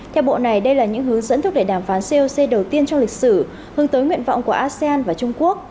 theo bộ này đây là những hướng dẫn thúc đẩy đàm phán coc đầu tiên trong lịch sử hướng tới nguyện vọng của asean và trung quốc